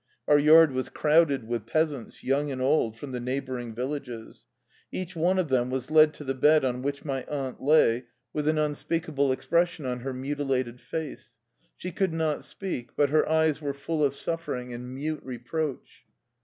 Our yard was crowded with peasants, young and old, from the neighboring villages. Each one of them was led to the bed on which my aunt lay with an unspeakable expression on 17 THE LIFE STOEY OF A EUSSIAN EXILE her mutilated face. She could not speak, but her eyes were full of suffering and mute re proach.